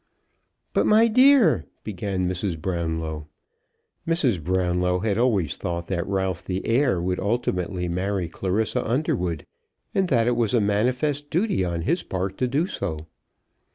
"But, my dear," began Mrs. Brownlow, Mrs. Brownlow had always thought that Ralph the heir would ultimately marry Clarissa Underwood, and that it was a manifest duty on his part to do so.